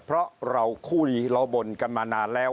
เพราะเราคุยเราบ่นกันมานาน